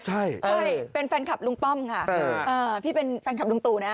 ใช่เป็นแฟนคลับลุงป้อมค่ะพี่เป็นแฟนคลับลุงตู่นะ